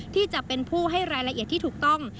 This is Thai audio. ที่จะเป็นผู้ให้รายละเอียดที่ถูกต้อง